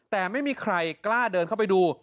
แต่ไม่มีใครกล้าเดินเข้าไปดู